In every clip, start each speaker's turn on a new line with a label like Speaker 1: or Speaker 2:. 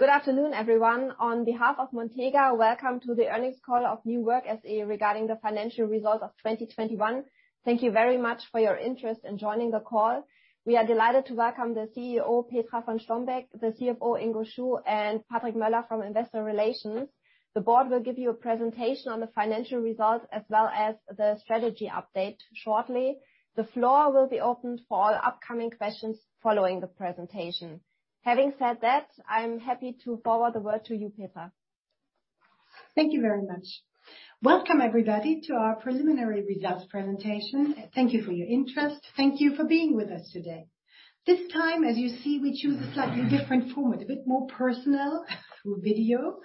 Speaker 1: Good afternoon, everyone. On behalf of Montega, welcome to the earnings call of New Work SE regarding the financial results of 2021. Thank you very much for your interest in joining the call. We are delighted to welcome the CEO, Petra von Strombeck, the CFO, Ingo Chu, and Patrick Möller from Investor Relations. The board will give you a presentation on the financial results as well as the strategy update shortly. The floor will be opened for all upcoming questions following the presentation. Having said that, I'm happy to forward the word to you, Petra.
Speaker 2: Thank you very much. Welcome everybody to our preliminary results presentation. Thank you for your interest. Thank you for being with us today. This time, as you see, we choose a slightly different format, a bit more personal through video.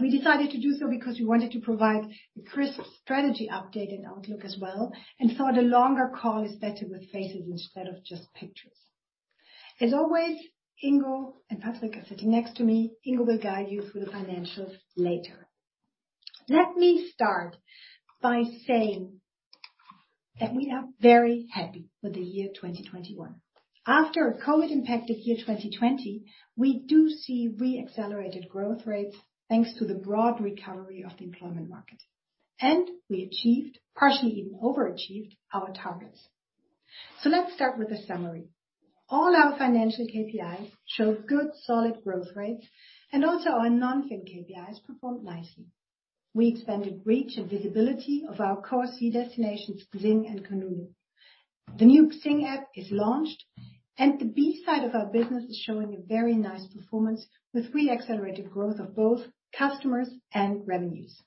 Speaker 2: We decided to do so because we wanted to provide a crisp strategy update and outlook as well, and thought a longer call is better with faces instead of just pictures. As always, Ingo and Patrick are sitting next to me. Ingo will guide you through the financials later. Let me start by saying that we are very happy with the year 2021. After a COVID-impacted year 2020, we do see re-accelerated growth rates, thanks to the broad recovery of the employment market. We achieved, partially even over-achieved, our targets. Let's start with a summary. All our financial KPIs showed good, solid growth rates, and also our non-fin KPIs performed nicely. We expanded reach and visibility of our core destinations, XING and Kununu. The new XING app is launched, and the B2B side of our business is showing a very nice performance with re-accelerated growth of both customers and revenues.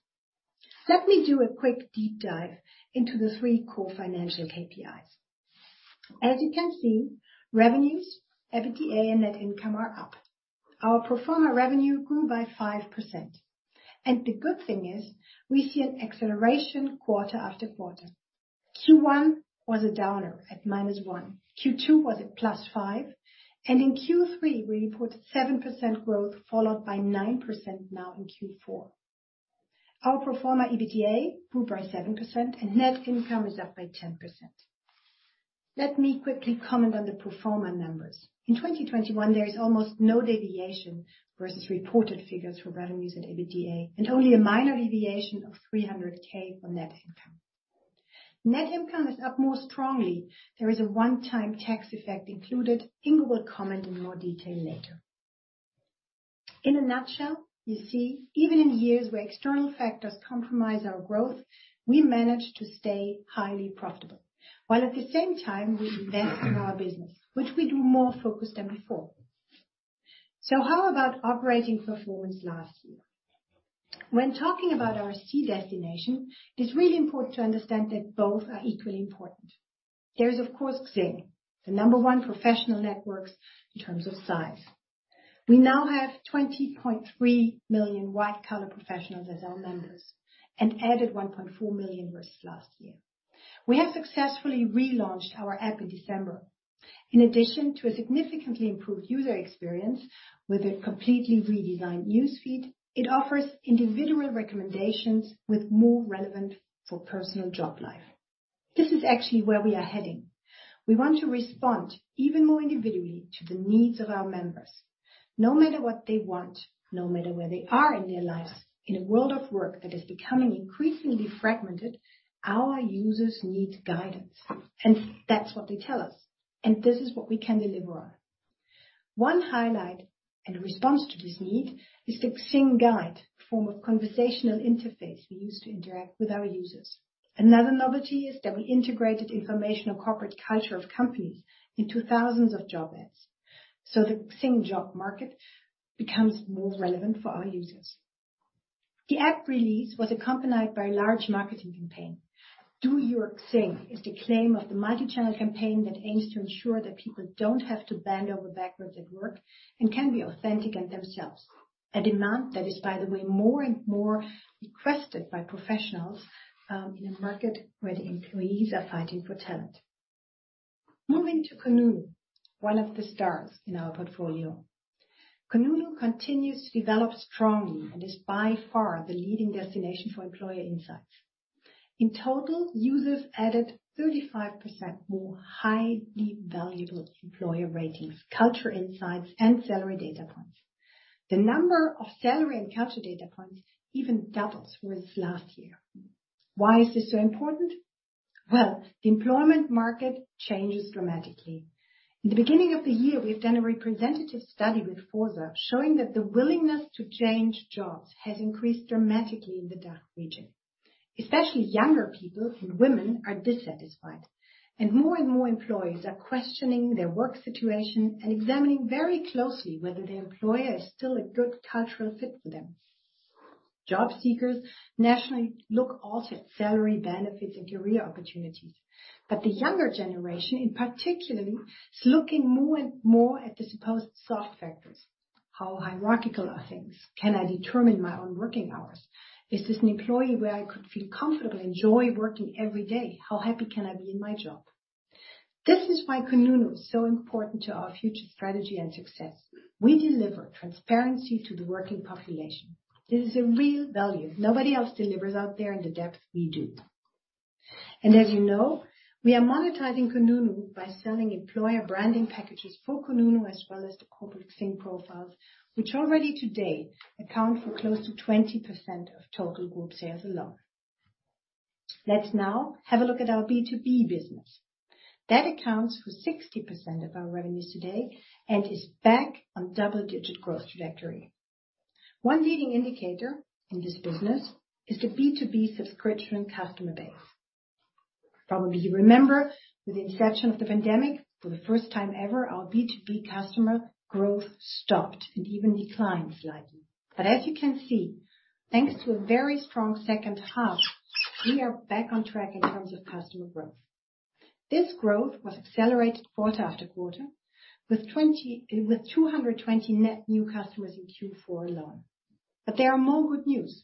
Speaker 2: Let me do a quick deep dive into the three core financial KPIs. As you can see, revenues, EBITDA, and net income are up. Our pro forma revenue grew by 5%. The good thing is we see an acceleration quarter after quarter. Q1 was a downer at minus 1%. Q2 was at plus 5%, and in Q3 we report 7% growth, followed by 9% now in Q4. Our pro forma EBITDA grew by 7% and net income is up by 10%. Let me quickly comment on the pro forma numbers. In 2021, there is almost no deviation versus reported figures for revenues and EBITDA, and only a minor deviation of 300K for net income. Net income is up more strongly. There is a one-time tax effect included. Ingo Chu will comment in more detail later. In a nutshell, you see, even in years where external factors compromise our growth, we manage to stay highly profitable, while at the same time we invest in our business, which we do more focused than before. How about operating performance last year? When talking about our destinations, it's really important to understand that both are equally important. There is of course XING, the number one professional network in terms of size. We now have 20.3 million white-collar professionals as our members and added 1.4 million versus last year. We have successfully relaunched our app in December. In addition to a significantly improved user experience with a completely redesigned news feed, it offers individual recommendations with more relevant for personal job life. This is actually where we are heading. We want to respond even more individually to the needs of our members. No matter what they want, no matter where they are in their lives, in a world of work that is becoming increasingly fragmented, our users need guidance. That's what they tell us, and this is what we can deliver on. One highlight in response to this need is the XING Guide, a form of conversational interface we use to interact with our users. Another novelty is that we integrated information on corporate culture of companies into thousands of job ads, so the XING job market becomes more relevant for our users. The app release was accompanied by a large marketing campaign. Do your XING is the claim of the multi-channel campaign that aims to ensure that people don't have to bend over backwards at work and can be authentic and themselves. A demand that is, by the way, more and more requested by professionals in a market where the employees are fighting for talent. Moving to Kununu, one of the stars in our portfolio. Kununu continues to develop strongly and is by far the leading destination for employer insights. In total, users added 35% more highly valuable employer ratings, culture insights, and salary data points. The number of salary and culture data points even doubles versus last year. Why is this so important? Well, the employment market changes dramatically. In the beginning of the year, we've done a representative study with Forsa showing that the willingness to change jobs has increased dramatically in the DACH region. Especially younger people and women are dissatisfied, and more and more employees are questioning their work situation and examining very closely whether their employer is still a good cultural fit for them. Job seekers naturally look also at salary benefits and career opportunities. The younger generation particularly is looking more and more at the supposed soft factors. How hierarchical are things? Can I determine my own working hours? Is this an employee where I could feel comfortable, enjoy working every day? How happy can I be in my job? This is why Kununu is so important to our future strategy and success. We deliver transparency to the working population. This is a real value nobody else delivers out there in the depth we do. As you know, we are monetizing Kununu by selling employer branding packages for Kununu as well as the corporate XING profiles, which already today account for close to 20% of total group sales alone. Let's now have a look at our B2B business. That accounts for 60% of our revenues today and is back on double-digit growth trajectory. One leading indicator in this business is the B2B subscription customer base. Probably you remember with the inception of the pandemic, for the first time ever, our B2B customer growth stopped and even declined slightly. As you can see, thanks to a very strong second half, we are back on track in terms of customer growth. This growth was accelerated quarter after quarter with 220 net new customers in Q4 alone. There are more good news.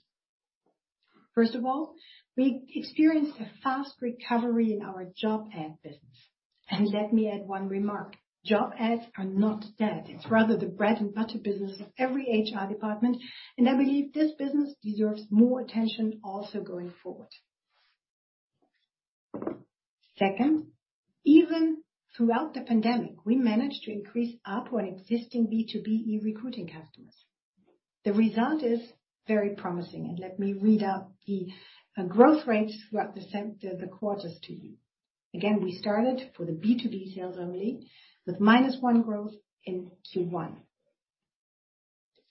Speaker 2: First of all, we experienced a fast recovery in our job ad business. Let me add one remark, job ads are not dead. It's rather the bread and butter business of every HR department, and I believe this business deserves more attention also going forward. Second, even throughout the pandemic, we managed to increase our existing B2B E-Recruiting customers. The result is very promising, and let me read out the growth rates throughout the quarters to you. Again, we started for the B2B sales only with -1% growth in Q1.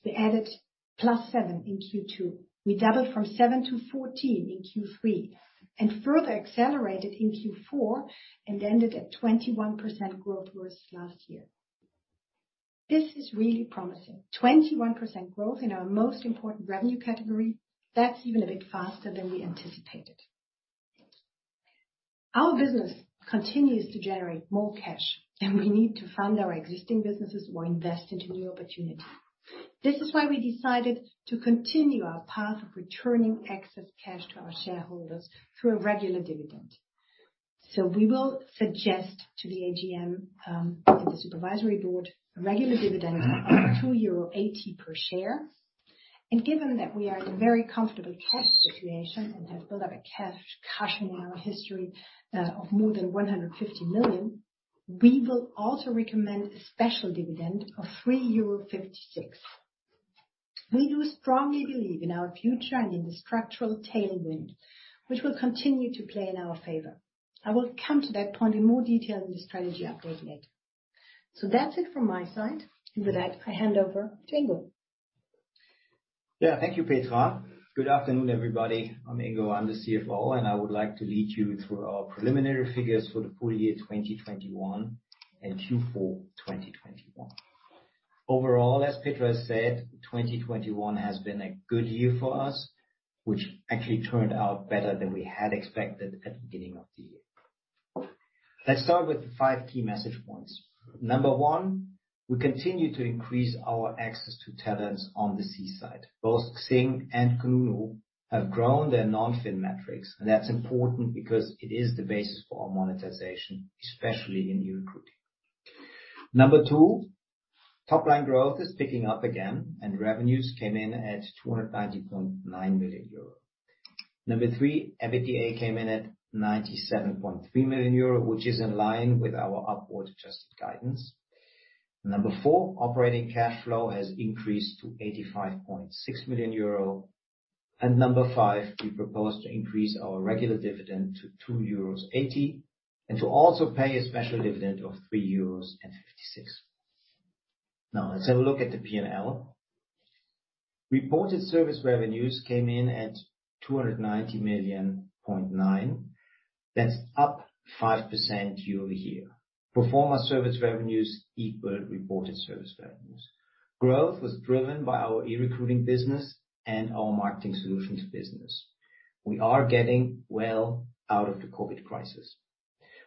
Speaker 2: We added +7% in Q2. We doubled from 7% to 14% in Q3, and further accelerated in Q4, and ended at 21% growth versus last year. This is really promising. 21% growth in our most important revenue category, that's even a bit faster than we anticipated. Our business continues to generate more cash than we need to fund our existing businesses or invest into new opportunities. This is why we decided to continue our path of returning excess cash to our shareholders through a regular dividend. We will suggest to the AGM and the supervisory board a regular dividend of 2.80 euro per share. Given that we are in a very comfortable cash situation and have built up cash in our history of more than 150 million, we will also recommend a special dividend of 3.56 euro. We do strongly believe in our future and in the structural tailwind, which will continue to play in our favor. I will come to that point in more detail in the strategy update later. That's it from my side. With that, I hand over to Ingo.
Speaker 3: Yeah. Thank you, Petra. Good afternoon, everybody. I'm Ingo. I'm the CFO, and I would like to lead you through our preliminary figures for the full year 2021 and Q4 2021. Overall, as Petra said, 2021 has been a good year for us, which actually turned out better than we had expected at the beginning of the year. Let's start with the five key message points. Number one, we continue to increase our access to talents on the C side. Both XING and Kununu have grown their non-fin metrics, and that's important because it is the basis for our monetization, especially in E-Recruiting. Number two, top line growth is picking up again, and revenues came in at 290.9 million euro. Number three, EBITDA came in at 97.3 million euro, which is in line with our upward adjusted guidance. Number four, operating cash flow has increased to 85.6 million euro. Number five, we propose to increase our regular dividend to 2.80 euros, and to also pay a special dividend of 3.56 euros. Now let's have a look at the P&L. Reported service revenues came in at 290.9 million. That's up 5% year-over-year. Pro forma service revenues equal reported service revenues. Growth was driven by our E-Recruiting business and our marketing solutions business. We are getting well out of the COVID crisis.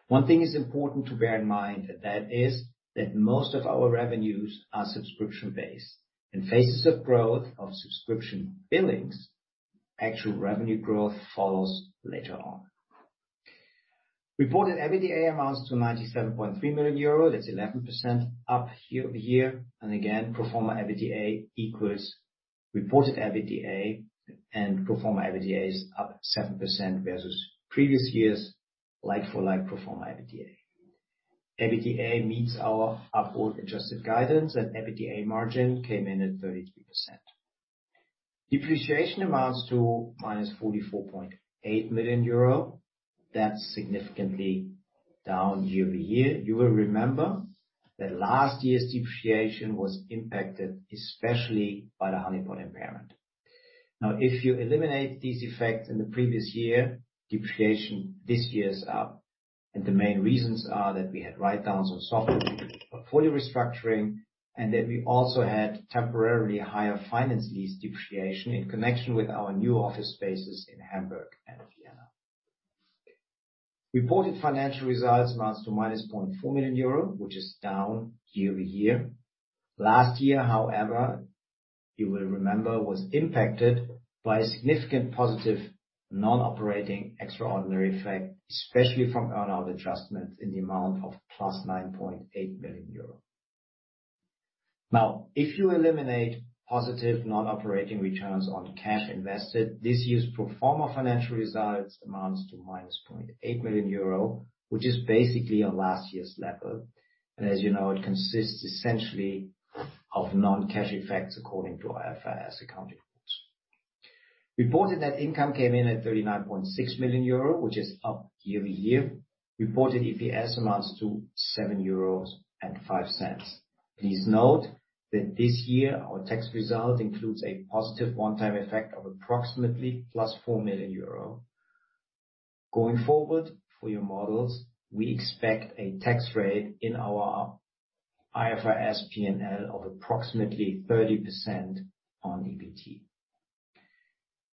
Speaker 3: One thing is important to bear in mind, and that is that most of our revenues are subscription-based. In phases of growth of subscription billings, actual revenue growth follows later on. Reported EBITDA amounts to 97.3 million euro. That's 11% up year-over-year. Again, pro forma EBITDA equals reported EBITDA, and pro forma EBITDA is up 7% versus previous year's like-for-like pro forma EBITDA. EBITDA meets our upward adjusted guidance, and EBITDA margin came in at 33%. Depreciation amounts to -44.8 million euro. That's significantly down year-over-year. You will remember that last year's depreciation was impacted especially by the Honeypot impairment. Now, if you eliminate these effects in the previous year, depreciation this year is up, and the main reasons are that we had write-downs on software portfolio restructuring, and that we also had temporarily higher finance lease depreciation in connection with our new office spaces in Hamburg and Vienna. Reported financial results amounts to -0.4 million euro, which is down year-over-year. Last year, however, you will remember, was impacted by a significant positive non-operating extraordinary effect, especially from earn-out adjustments in the amount of +9.8 million euro. Now, if you eliminate positive non-operating returns on cash invested, this year's pro forma financial results amounts to -0.8 million euro, which is basically on last year's level. As you know, it consists essentially of non-cash effects according to IFRS accounting rules. Reported net income came in at 39.6 million euro, which is up year-over-year. Reported EPS amounts to 7.05 euros. Please note that this year our tax result includes a positive one-time effect of approximately +4 million euro. Going forward, for your models, we expect a tax rate in our IFRS P&L of approximately 30% on EBT.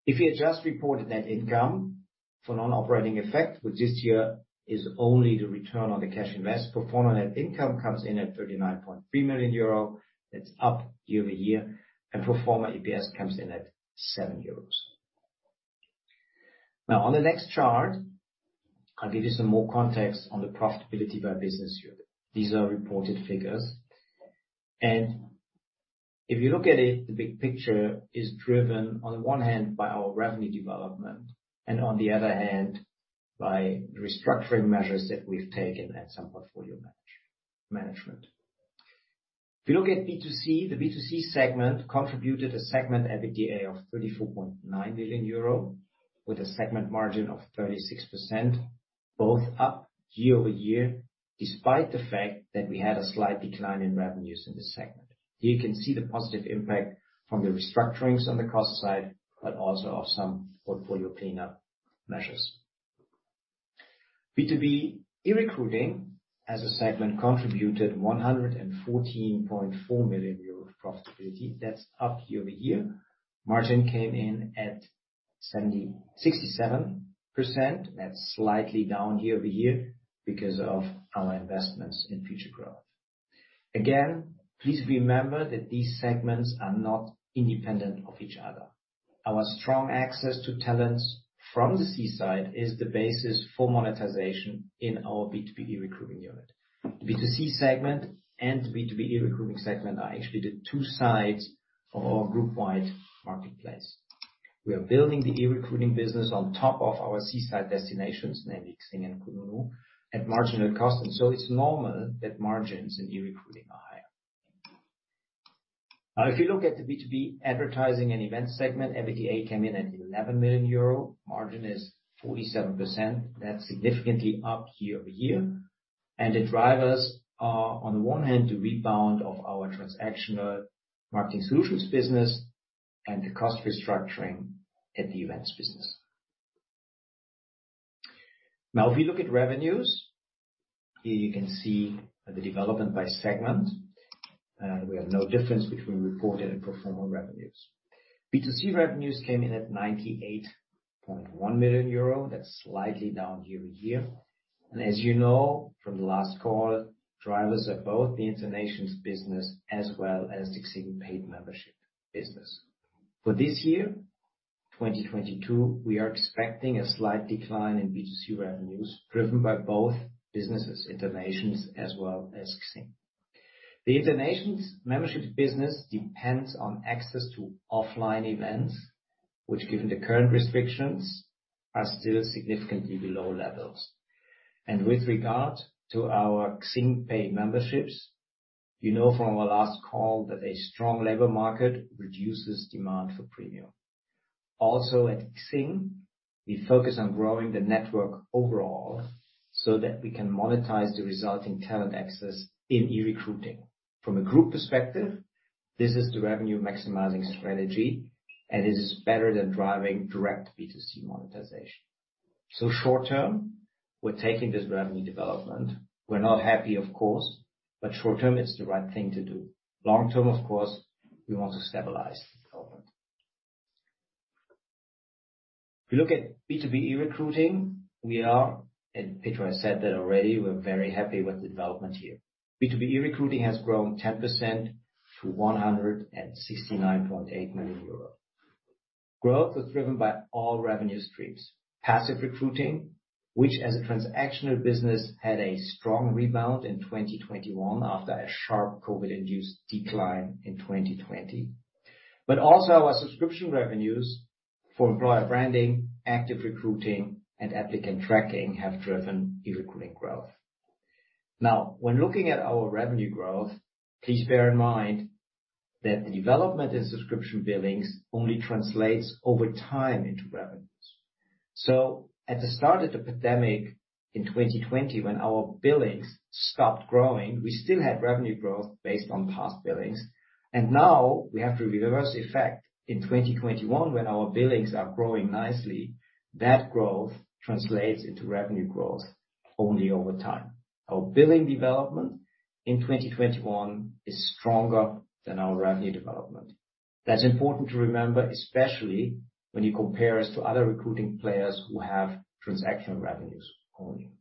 Speaker 3: If you adjust reported net income for non-operating effect, which this year is only the return on the cash investment, pro forma net income comes in at 39.3 million euro. That's up year-over-year. Pro forma EPS comes in at 7 euros. Now, on the next chart, I'll give you some more context on the profitability by business unit. These are reported figures. If you look at it, the big picture is driven, on the one hand, by our revenue development and on the other hand, by restructuring measures that we've taken and some portfolio management. If you look at B2C, the B2C segment contributed a segment EBITDA of 34.9 million euro with a segment margin of 36%, both up year-over-year, despite the fact that we had a slight decline in revenues in this segment. Here you can see the positive impact from the restructurings on the cost side, but also of some portfolio cleanup measures. B2B E-Recruiting as a segment contributed 114.4 million euros of profitability. That's up year-over-year. Margin came in at 67%. That's slightly down year-over-year because of our investments in future growth. Again, please remember that these segments are not independent of each other. Our strong access to talents from the C-side is the basis for monetization in our B2B E-Recruiting unit. B2C segment and B2B E-Recruiting segment are actually the two sides of our group wide marketplace. We are building the E-Recruiting business on top of our C-side destinations, namely XING and Kununu, at marginal cost. It's normal that margins in E-Recruiting are higher. Now, if you look at the B2B advertising and events segment, EBITDA came in at 11 million euro. Margin is 47%. That's significantly up year-over-year. The drivers are, on the one hand, the rebound of our transactional marketing solutions business and the cost restructuring at the events business. Now, if you look at revenues, here you can see the development by segment. We have no difference between reported and pro forma revenues. B2C revenues came in at 98.1 million euro. That's slightly down year-over-year. As you know from the last call, drivers are both the InterNations business as well as the XING paid membership business. For this year, 2022, we are expecting a slight decline in B2C revenues driven by both businesses, InterNations as well as XING. The InterNations memberships business depends on access to offline events, which given the current restrictions, are still significantly below levels. With regard to our XING paid memberships, you know from our last call that a strong labor market reduces demand for premium. Also, at XING, we focus on growing the network overall so that we can monetize the resulting talent access in E-Recruiting. From a group perspective, this is the revenue maximizing strategy, and it is better than driving direct B2C monetization. Short term, we're taking this revenue development. We're not happy, of course, but short term, it's the right thing to do. Long term, of course, we want to stabilize development. If you look at B2B E-Recruiting, we are, and Petra has said that already, we're very happy with the development here. B2B E-Recruiting has grown 10% to 169.8 million euros. Growth was driven by all revenue streams. Passive recruiting, which as a transactional business, had a strong rebound in 2021 after a sharp COVID-induced decline in 2020. Also our subscription revenues for employer branding, active recruiting, and applicant tracking have driven E-Recruiting growth. Now, when looking at our revenue growth, please bear in mind that the development in subscription billings only translates over time into revenues. At the start of the pandemic in 2020, when our billings stopped growing, we still had revenue growth based on past billings. Now we have the reverse effect. In 2021, when our billings are growing nicely, that growth translates into revenue growth only over time. Our billing development in 2021 is stronger than our revenue development. That's important to remember, especially when you compare us to other recruiting players who have transactional revenues only.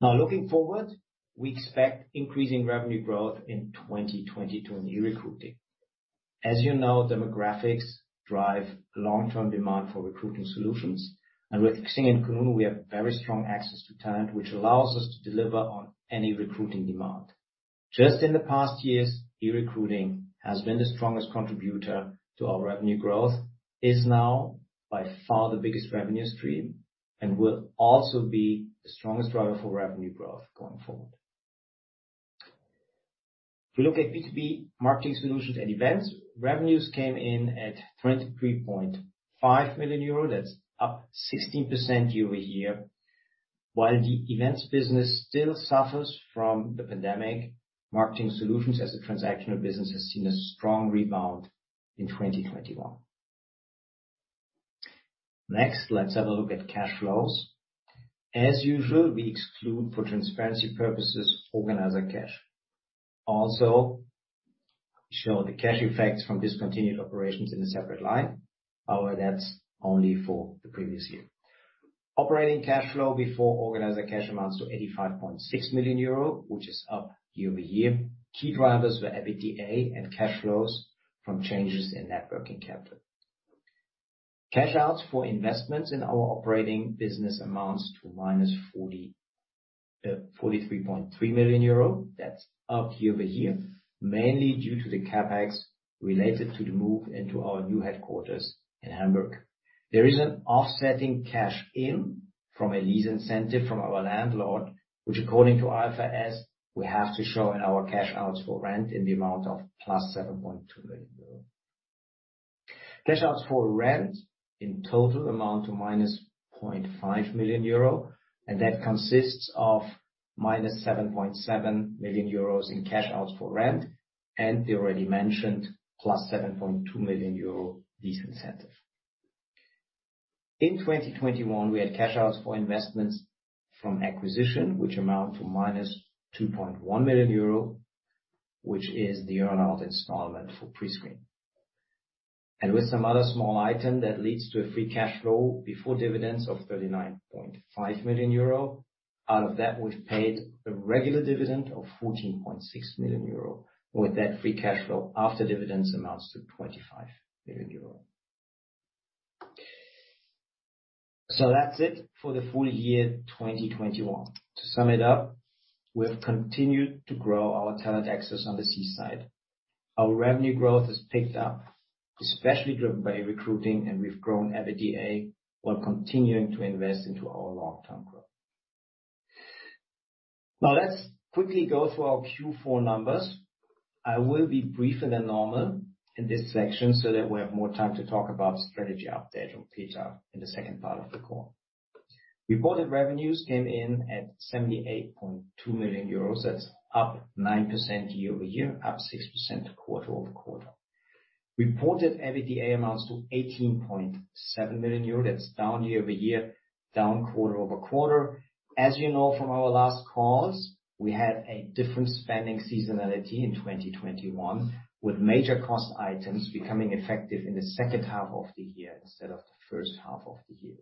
Speaker 3: Now, looking forward, we expect increasing revenue growth in 2022 in E-Recruiting. As you know, demographics drive long-term demand for recruiting solutions. With XING and Kununu, we have very strong access to talent, which allows us to deliver on any recruiting demand. Just in the past years, E-Recruiting has been the strongest contributor to our revenue growth, is now by far the biggest revenue stream, and will also be the strongest driver for revenue growth going forward. If you look at B2B marketing solutions and events, revenues came in at 23.5 million euro. That's up 16% year-over-year. While the events business still suffers from the pandemic, marketing solutions as a transactional business has seen a strong rebound in 2021. Next, let's have a look at cash flows. As usual, we exclude for transparency purposes, organizer cash. Show the cash effects from discontinued operations in a separate line. However, that's only for the previous year. Operating cash flow before investing cash amounts to 85.6 million euro, which is up year-over-year. Key drivers were EBITDA and cash flows from changes in net working capital. Cash outs for investments in our operating business amounts to -43.3 million euro. That's up year-over-year, mainly due to the CapEx related to the move into our new headquarters in Hamburg. There is an offsetting cash in from a lease incentive from our landlord, which according to IFRS, we have to show in our cash outs for rent in the amount of +7.2 million euro. Cash outs for rent in total amount to -0.5 million euro, and that consists of -7.7 million euros in cash outs for rent and the already mentioned +7.2 million euro lease incentive. In 2021, we had cash outs for investments from acquisition which amount to -2.1 million euro, which is the earn-out installment for Prescreen. With some other small item that leads to a free cash flow before dividends of 39.5 million euro. Out of that, we've paid a regular dividend of 14.6 million euro. With that free cash flow after dividends amounts to 25 million euro. That's it for the full year 2021. To sum it up, we have continued to grow our talent access on the SE side. Our revenue growth has picked up, especially driven by recruiting, and we've grown EBITDA while continuing to invest into our long-term growth. Now let's quickly go through our Q4 numbers. I will be briefer than normal in this section so that we have more time to talk about strategy update from Petra in the second part of the call. Reported revenues came in at 78.2 million euros. That's up 9% year-over-year, up 6% quarter-over-quarter. Reported EBITDA amounts to 18.7 million euros. That's down year-over-year, down quarter-over-quarter. As you know from our last calls, we had a different spending seasonality in 2021, with major cost items becoming effective in the second half of the year instead of the first half of the year.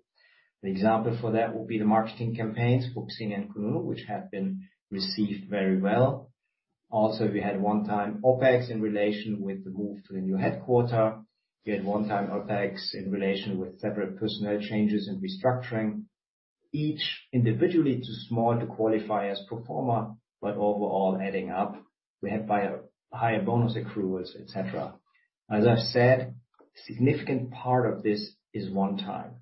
Speaker 3: The example for that would be the marketing campaigns for XING and Kununu, which have been received very well. Also, we had one-time OpEx in relation with the move to the new headquarters. We had one-time OpEx in relation with several personnel changes and restructuring, each individually too small to qualify as pro forma, but overall adding up. We had higher bonus accruals, et cetera. As I've said, a significant part of this is one-time.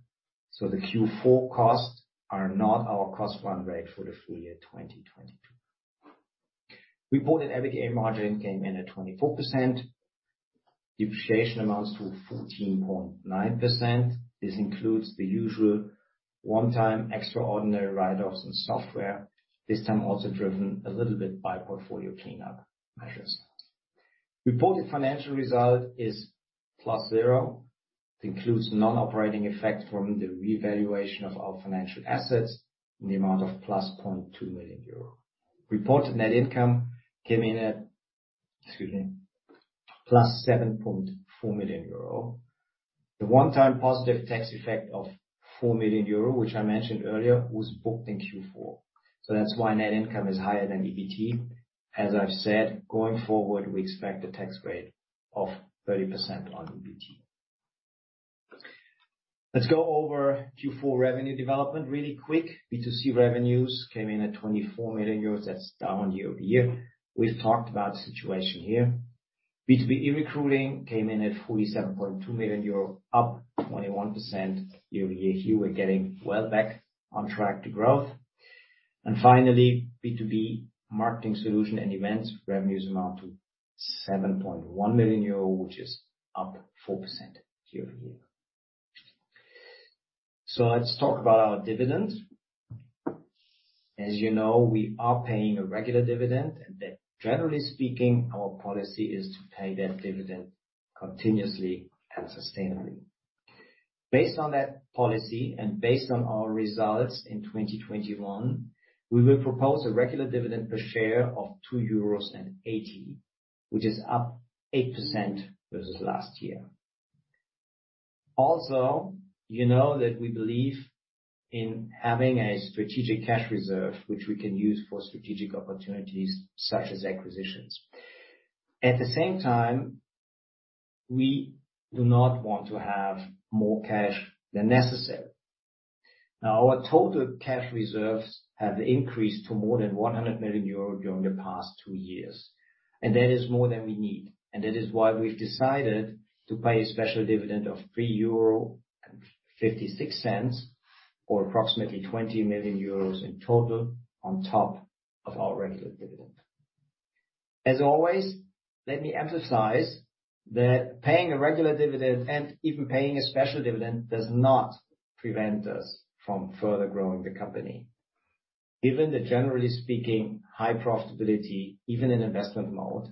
Speaker 3: The Q4 costs are not our cost run rate for the full year 2022. Reported EBITDA margin came in at 24%. Depreciation amounts to 14.9%. This includes the usual one-time extraordinary write-offs in software, this time also driven a little bit by portfolio cleanup measures. Reported financial result is +0, includes non-operating effects from the revaluation of our financial assets in the amount of +0.2 million euro. Reported net income came in at, excuse me, +7.4 million euro. The one-time positive tax effect of 4 million euro, which I mentioned earlier, was booked in Q4. That's why net income is higher than EBT. As I've said, going forward, we expect a tax rate of 30% on EBT. Let's go over Q4 revenue development really quick. B2C revenues came in at 24 million euros. That's down year-over-year. We've talked about the situation here. B2B E-Recruiting came in at 47.2 million euro, up 21% year-over-year. Here we're getting well back on track to growth. Finally, B2B marketing solution and events revenues amount to 7.1 million euro, which is up 4% year-over-year. Let's talk about our dividend. As you know, we are paying a regular dividend, and that generally speaking, our policy is to pay that dividend continuously and sustainably. Based on that policy and based on our results in 2021, we will propose a regular dividend per share of 2.80 euros, which is up 8% versus last year. Also, you know that we believe in having a strategic cash reserve which we can use for strategic opportunities such as acquisitions. At the same time, we do not want to have more cash than necessary. Now, our total cash reserves have increased to more than 100 million euro during the past two years, and that is more than we need. That is why we've decided to pay a special dividend of 3.56 euro, or approximately 20 million euros in total on top of our regular dividend. As always, let me emphasize that paying a regular dividend and even paying a special dividend does not prevent us from further growing the company. Given the generally speaking high profitability, even in investment mode,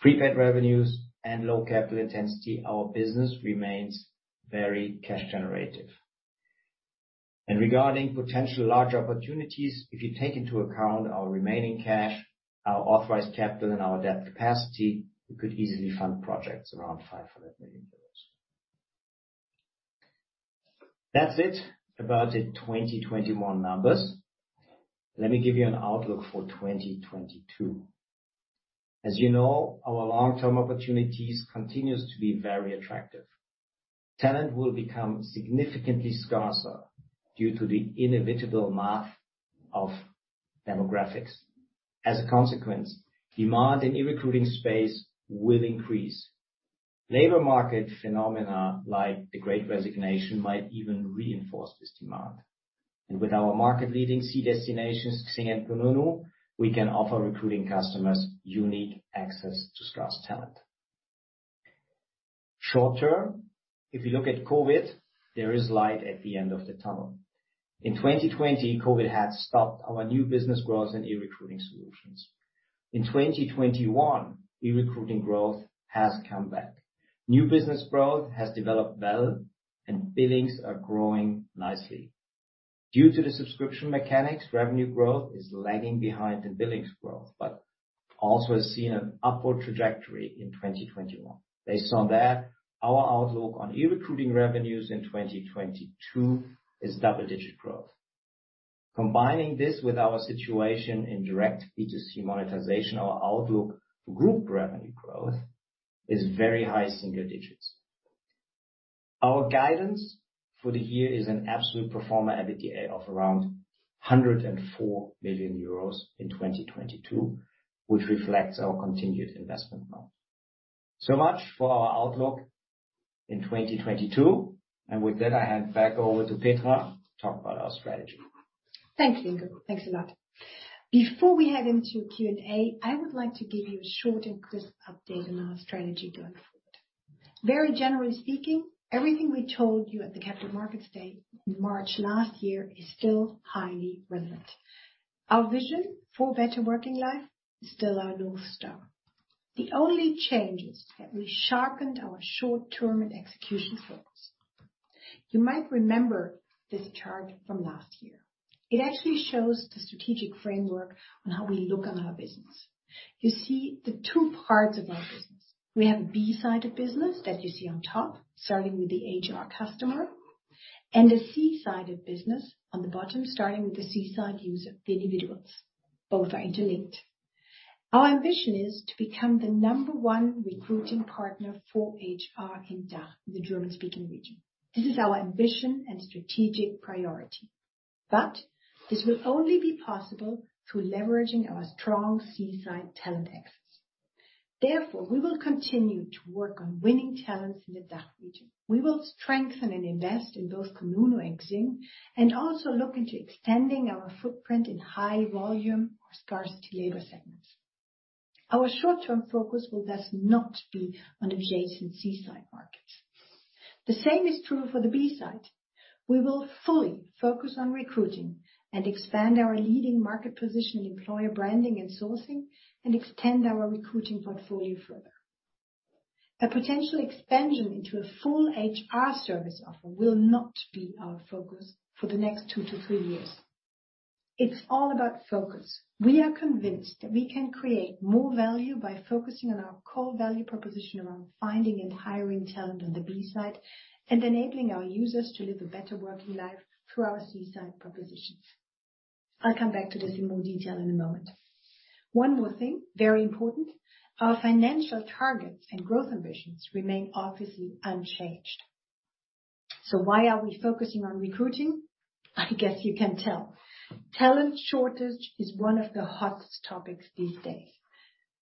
Speaker 3: prepaid revenues and low capital intensity, our business remains very cash generative. Regarding potential large opportunities, if you take into account our remaining cash, our authorized capital, and our debt capacity, we could easily fund projects around 500 million euros. That's it about the 2021 numbers. Let me give you an outlook for 2022. As you know, our long-term opportunities continues to be very attractive. Talent will become significantly scarcer due to the inevitable math of demographics. As a consequence, demand in E-Recruiting space will increase. Labor market phenomena like the Great Resignation might even reinforce this demand. With our market-leading key destinations, XING and Kununu, we can offer recruiting customers unique access to scarce talent. Short-term, if you look at COVID, there is light at the end of the tunnel. In 2020 COVID had stopped our new business growth in E-Recruiting solutions. In 2021 E-Recruiting growth has come back. New business growth has developed well, and billings are growing nicely. Due to the subscription mechanics, revenue growth is lagging behind the billings growth, but also has seen an upward trajectory in 2021. Based on that, our outlook on E-Recruiting revenues in 2022 is double-digit growth. Combining this with our situation in direct B2C monetization, our outlook for group revenue growth is very high single digits. Our guidance for the year is an absolute pro forma EBITDA of around 104 million euros in 2022, which reflects our continued investment now. So much for our outlook in 2022, and with that, I hand back over to Petra to talk about our strategy.
Speaker 2: Thanks, Ingo Chu. Thanks a lot. Before we head into Q&A, I would like to give you a short and crisp update on our strategy going forward. Very generally speaking, everything we told you at the Capital Markets Day in March last year is still highly relevant. Our vision for better working life is still our North Star. The only change is that we sharpened our short-term and execution focus. You might remember this chart from last year. It actually shows the strategic framework on how we look on our business. You see the two parts of our business. We have a B2B side of business that you see on top, starting with the HR customer, and a B2C side of business on the bottom, starting with the B2C user, the individuals. Both are interlinked. Our ambition is to become the number one recruiting partner for HR in DACH, the German-speaking region. This is our ambition and strategic priority. This will only be possible through leveraging our strong C-side talent access. Therefore, we will continue to work on winning talents in the DACH region. We will strengthen and invest in both Kununu and XING, and also look into extending our footprint in high volume or scarcity labor segments. Our short-term focus will, thus, not be on the adjacent C-side markets. The same is true for the B side. We will fully focus on recruiting and expand our leading market position in employer branding and sourcing, and extend our recruiting portfolio further. A potential expansion into a full HR service offer will not be our focus for the next two to three years. It's all about focus. We are convinced that we can create more value by focusing on our core value proposition around finding and hiring talent on the B2B side, and enabling our users to live a better working life through our B2C-side propositions. I'll come back to this in more detail in a moment. One more thing, very important, our financial targets and growth ambitions remain obviously unchanged. Why are we focusing on recruiting? I guess you can tell. Talent shortage is one of the hottest topics these days.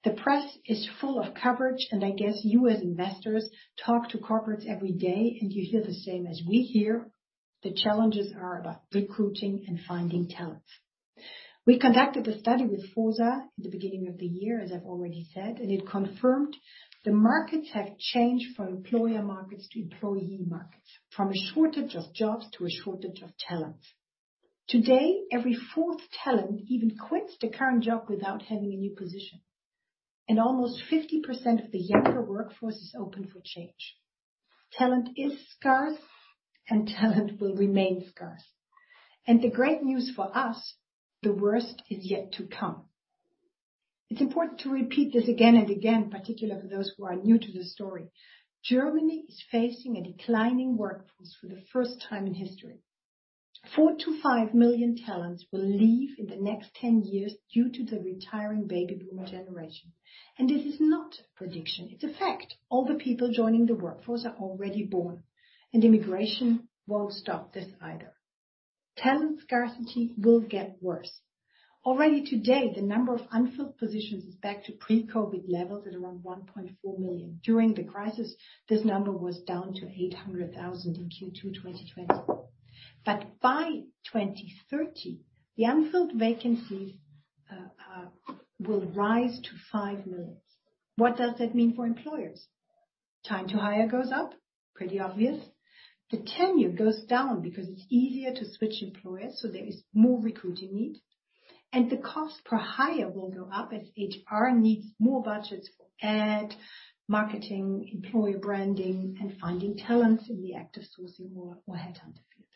Speaker 2: The press is full of coverage, and I guess you as investors talk to corporates every day, and you hear the same as we hear. The challenges are about recruiting and finding talent. We conducted a study with Forsa in the beginning of the year, as I've already said, and it confirmed the markets have changed from employer markets to employee markets, from a shortage of jobs to a shortage of talent. Today, every fourth talent even quits the current job without having a new position, and almost 50% of the younger workforce is open for change. Talent is scarce, and talent will remain scarce. The great news for us, the worst is yet to come. It's important to repeat this again and again, particularly for those who are new to the story. Germany is facing a declining workforce for the first time in history. 4-5 million talents will leave in the next 10 years due to the retiring baby boomer generation. This is not a prediction, it's a fact. All the people joining the workforce are already born, and immigration won't stop this either. Talent scarcity will get worse. Already today, the number of unfilled positions is back to pre-COVID levels at around 1.4 million. During the crisis, this number was down to 800,000 in Q2 2020. By 2030, the unfilled vacancies will rise to 5 million. What does that mean for employers? Time to hire goes up, pretty obvious. The tenure goes down because it's easier to switch employers, so there is more recruiting need, and the cost per hire will go up as HR needs more budgets for ad, marketing, employer branding, and finding talents in the active sourcing or headhunt field.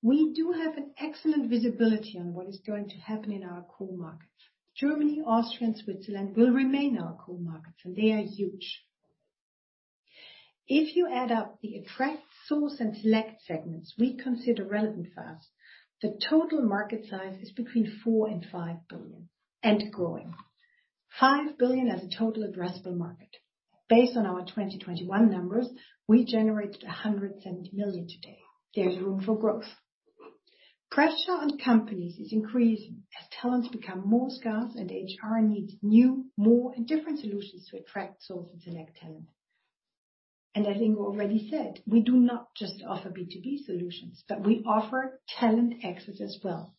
Speaker 2: We do have an excellent visibility on what is going to happen in our core market. Germany, Austria, and Switzerland will remain our core markets, and the area is huge. If you add up the attract, source, and select segments we consider relevant for us, the total market size is between 4 billion and 5 billion and growing. 5 billion as a total addressable market. Based on our 2021 numbers, we generated 170 million today. There's room for growth. Pressure on companies is increasing as talents become more scarce and HR needs new, more, and different solutions to attract, source, and select talent. As Ingo Chu already said, we do not just offer B2B solutions, but we offer talent access as well.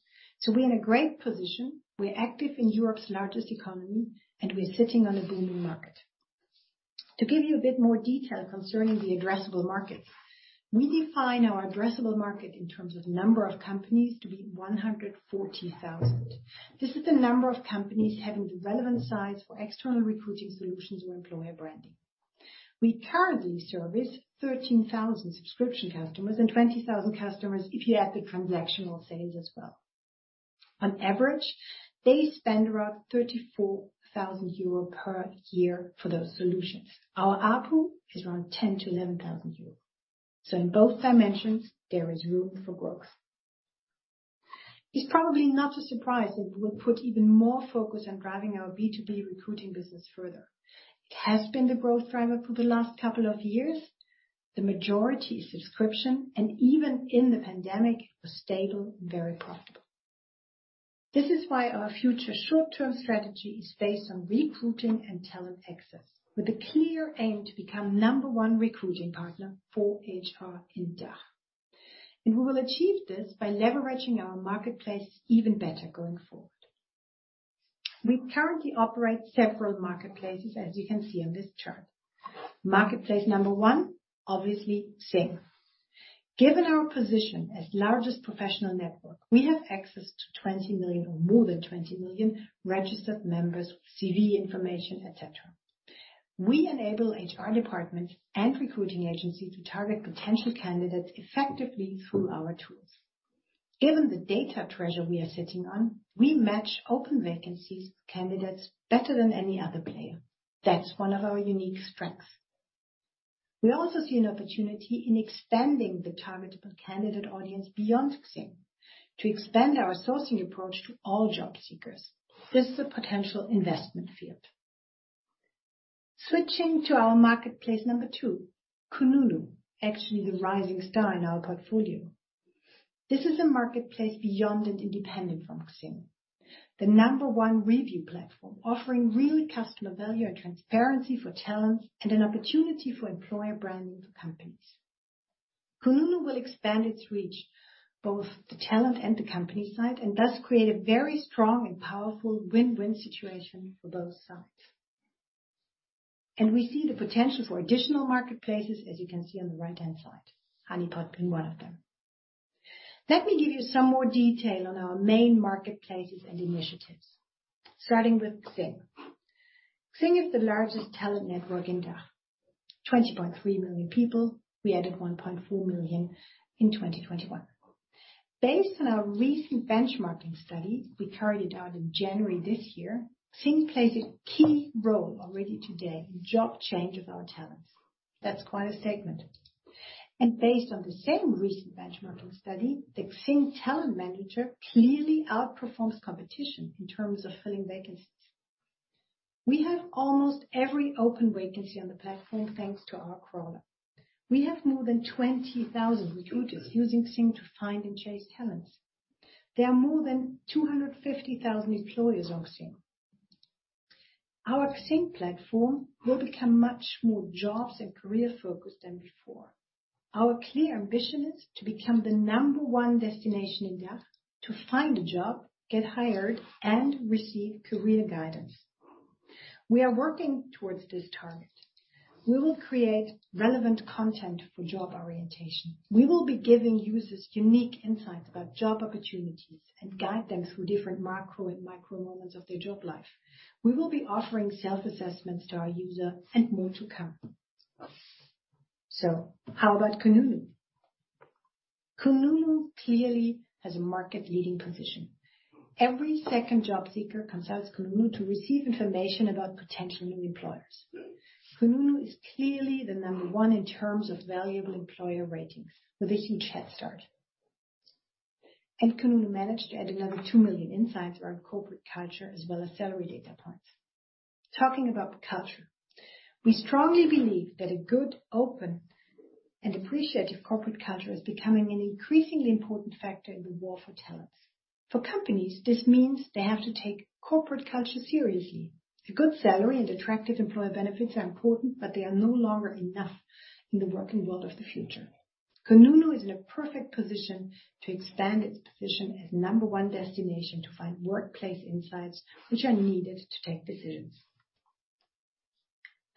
Speaker 2: We're in a great position. We're active in Europe's largest economy, and we're sitting on a booming market. To give you a bit more detail concerning the addressable market. We define our addressable market in terms of number of companies to be 140,000. This is the number of companies having the relevant size for external recruiting solutions or employer branding. We currently service 13,000 subscription customers and 20,000 customers if you add the transactional sales as well. On average, they spend around 34,000 euro per year for those solutions. Our ARPU is around 10,000-11,000 euro. In both dimensions, there is room for growth. It's probably not a surprise that we'll put even more focus on driving our B2B recruiting business further. It has been the growth driver for the last couple of years. The majority is subscription, and even in the pandemic, it was stable and very profitable. This is why our future short-term strategy is based on recruiting and talent access, with a clear aim to become number one recruiting partner for HR in DACH. We will achieve this by leveraging our marketplace even better going forward. We currently operate several marketplaces, as you can see on this chart. Marketplace number one, obviously XING. Given our position as the largest professional network, we have access to 20 million or more than 20 million registered members with CV information, et cetera. We enable HR departments and recruiting agencies to target potential candidates effectively through our tools. Given the data treasure we are sitting on, we match open vacancies to candidates better than any other player. That's one of our unique strengths. We also see an opportunity in expanding the targetable candidate audience beyond XING to expand our sourcing approach to all job seekers. This is a potential investment field. Switching to our marketplace number two, Kununu, actually the rising star in our portfolio. This is a marketplace beyond and independent from XING. The number 1 review platform, offering real customer value and transparency for talent, and an opportunity for employer branding for companies. Kununu will expand its reach, both the talent and the company side, and thus create a very strong and powerful win-win situation for both sides. We see the potential for additional marketplaces, as you can see on the right-hand side. Honeypot being one of them. Let me give you some more detail on our main marketplaces and initiatives, starting with XING. XING is the largest talent network in DACH. 20.3 million people. We added 1.4 million in 2021. Based on our recent benchmarking study we carried out in January this year, XING plays a key role already today in job change of our talents. That's quite a statement. Based on the same recent benchmarking study, the XING TalentManager clearly outperforms competition in terms of filling vacancies. We have almost every open vacancy on the platform, thanks to our crawler. We have more than 20,000 recruiters using XING to find and chase talents. There are more than 250,000 employers on XING. Our XING platform will become much more jobs and career-focused than before. Our clear ambition is to become the number one destination in DACH to find a job, get hired, and receive career guidance. We are working towards this target. We will create relevant content for job orientation. We will be giving users unique insights about job opportunities and guide them through different macro and micro moments of their job life. We will be offering self-assessments to our user and more to come. How about Kununu? Kununu clearly has a market-leading position. Every second job seeker consults Kununu to receive information about potential new employers. Kununu is clearly the number one in terms of valuable employer ratings with a huge head start. Kununu managed to add another 2 million insights around corporate culture as well as salary data points. Talking about the culture. We strongly believe that a good, open, and appreciative corporate culture is becoming an increasingly important factor in the war for talents. For companies, this means they have to take corporate culture seriously. A good salary and attractive employer benefits are important, but they are no longer enough in the working world of the future. Kununu is in a perfect position to expand its position as number one destination to find workplace insights which are needed to make decisions.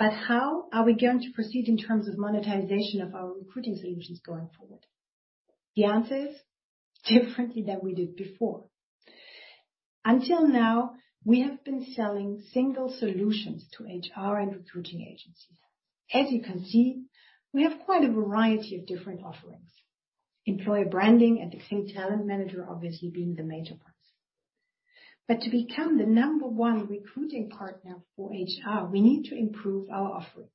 Speaker 2: How are we going to proceed in terms of monetization of our recruiting solutions going forward? The answer is differently than we did before. Until now, we have been selling single solutions to HR and recruiting agencies. As you can see, we have quite a variety of different offerings, employer branding and XING TalentManager obviously being the major parts. To become the number one recruiting partner for HR, we need to improve our offering.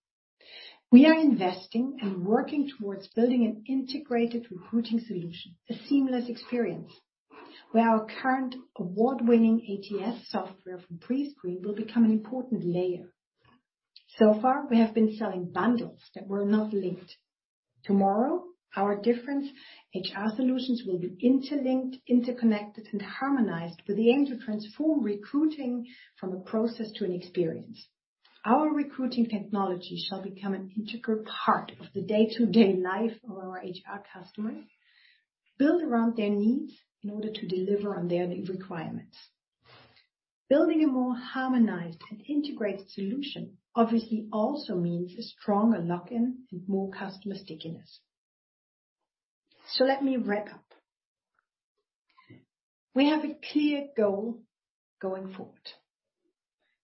Speaker 2: We are investing and working towards building an integrated recruiting solution, a seamless experience, where our current award-winning ATS software from Prescreen will become an important layer. So far, we have been selling bundles that were not linked. Tomorrow, our different HR solutions will be interlinked, interconnected, and harmonized with the aim to transform recruiting from a process to an experience. Our recruiting technology shall become an integral part of the day-to-day life of our HR customers, built around their needs in order to deliver on their requirements. Building a more harmonized and integrated solution obviously also means a stronger lock-in and more customer stickiness. Let me wrap up. We have a clear goal going forward.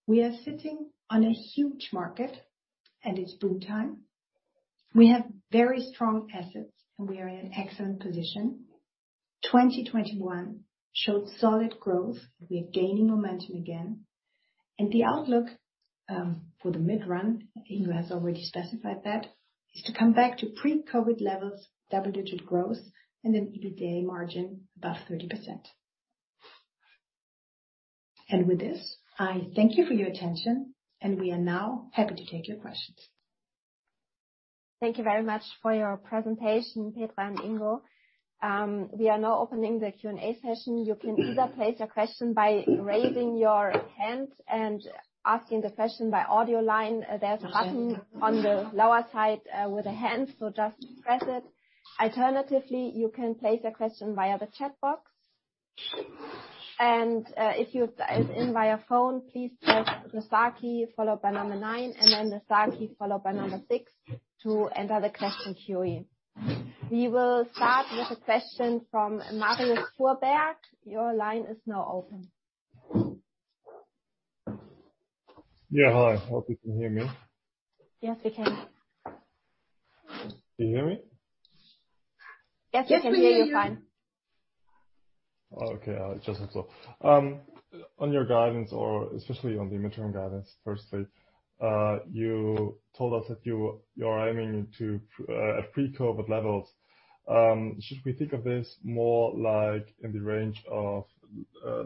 Speaker 2: We are sitting on a huge market and it's boom time. We have very strong assets and we are in excellent position. 2021 showed solid growth. We are gaining momentum again. The outlook for the mid-run, Ingo has already specified that, is to come back to pre-COVID levels, double-digit growth, and an EBITDA margin above 30%. With this, I thank you for your attention, and we are now happy to take your questions.
Speaker 1: Thank you very much for your presentation, Petra and Ingo. We are now opening the Q&A session. You can either place your question by raising your hand and asking the question by audio line. There's a button on the lower side with a hand, so just press it. Alternatively, you can place a question via the chat box. If you signed in via phone, please press star key followed by 9 and then the star key followed by 6 to enter the question queue. We will start with a question from Marius Fuhrberg. Your line is now open.
Speaker 4: Yeah. Hi. Hope you can hear me.
Speaker 1: Yes, we can.
Speaker 4: Can you hear me?
Speaker 1: Yes, we can hear you fine.
Speaker 4: Okay. Just as well. On your guidance or especially on the midterm guidance, firstly, you told us that you're aiming at pre-COVID levels. Should we think of this more like in the range of,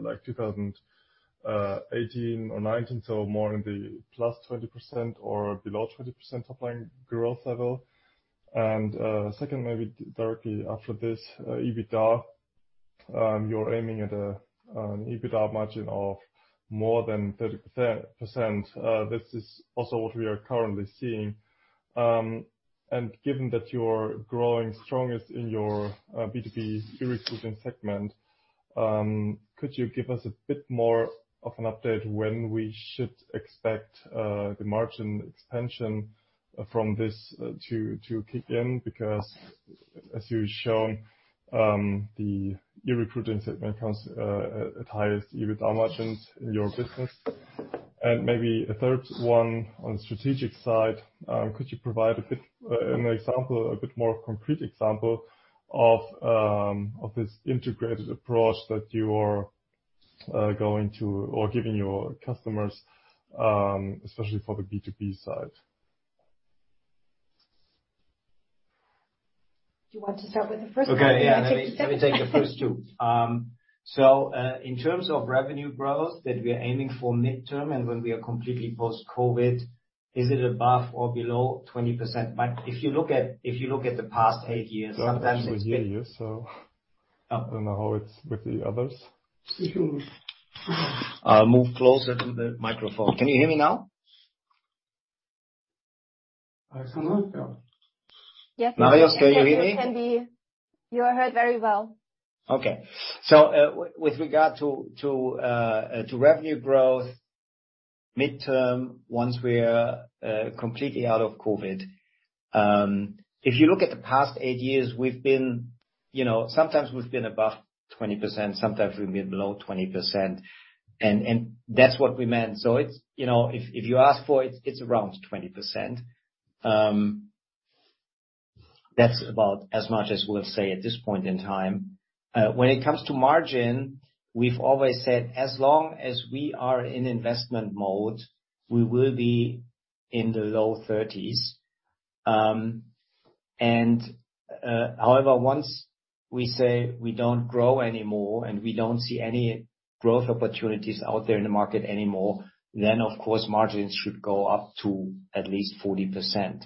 Speaker 4: like 2018 or 2019, so more in the +20% or below 20% top-line growth level? Second, maybe directly after this, EBITDA, you're aiming at an EBITDA margin of more than 30%. This is also what we are currently seeing. Given that you're growing strongest in your B2B E-Recruiting segment, could you give us a bit more of an update when we should expect the margin expansion from this to kick in? Because as you've shown, the E-Recruiting segment comes at highest EBITDA margins in your business. Maybe a third one on strategic side, could you provide a bit more concrete example of this integrated approach that you are going to or giving your customers, especially for the B2B side?
Speaker 2: Do you want to start with the first one?
Speaker 3: Okay. Yeah. Let me take the first two. In terms of revenue growth that we are aiming for midterm and when we are completely post-COVID, is it above or below 20%? If you look at the past eight years, sometimes it's been-
Speaker 4: I can actually hear you, so I don't know how it's with the others.
Speaker 3: I'll move closer to the microphone. Can you hear me now?
Speaker 4: I cannot. No.
Speaker 1: Yes.
Speaker 3: Marius, can you hear me?
Speaker 1: Can be... You are heard very well.
Speaker 3: Okay. With regard to revenue growth midterm once we are completely out of COVID, if you look at the past eight years, we've been. You know, sometimes we've been above 20%, sometimes we've been below 20%. That's what we meant. It's, you know, if you ask for it's around 20%. That's about as much as we'll say at this point in time. When it comes to margin, we've always said, as long as we are in investment mode, we will be in the low 30s%. However, once we say we don't grow anymore, and we don't see any growth opportunities out there in the market anymore, then of course, margins should go up to at least 40%.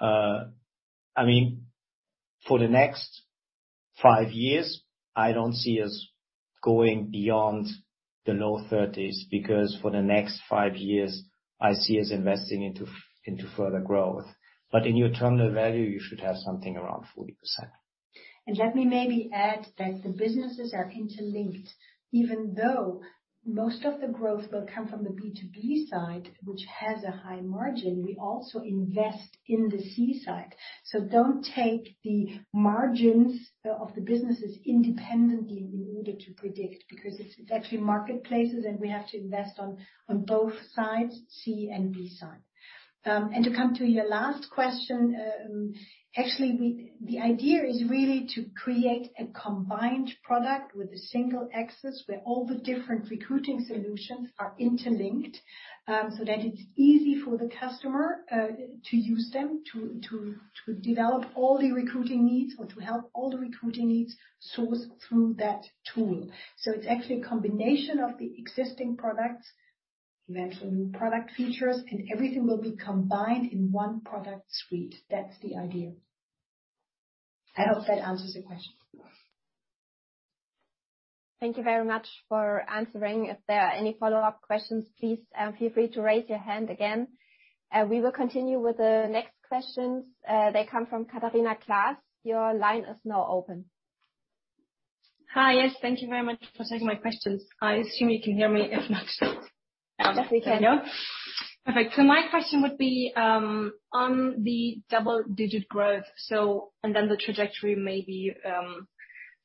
Speaker 3: I mean, for the next 5 years, I don't see us going beyond the low 30s, because for the next 5 years I see us investing into further growth. In your terminal value, you should have something around 40%.
Speaker 2: Let me maybe add that the businesses are interlinked. Even though most of the growth will come from the B2B side, which has a high margin, we also invest in the C side. Don't take the margins of the businesses independently in order to predict, because it's actually marketplaces, and we have to invest on both sides, C and B side. To come to your last question, actually, the idea is really to create a combined product with a single access, where all the different recruiting solutions are interlinked, so that it's easy for the customer to use them to develop all the recruiting needs or to help all the recruiting needs sourced through that tool. It's actually a combination of the existing products, eventually new product features, and everything will be combined in one product suite. That's the idea. I hope that answers your question.
Speaker 1: Thank you very much for answering. If there are any follow-up questions, please, feel free to raise your hand again. We will continue with the next questions. They come from Katarina Klaas. Your line is now open.
Speaker 5: Hi. Yes, thank you very much for taking my questions. I assume you can hear me, if not
Speaker 1: Yes, we can.
Speaker 5: Okay. Perfect. My question would be on the double-digit growth and then the trajectory maybe